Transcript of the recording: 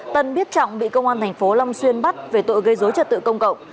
tân biết trọng bị công an tp long xuyên bắt về tội gây dối trật tự công cộng